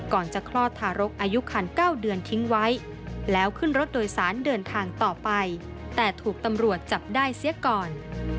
ก่อนจะคลอดทารกอายุคัน๙เดือนทิ้งไว้แล้วขึ้นรถโดยสารเดินทางต่อไปแต่ถูกตำรวจจับได้เสียก่อน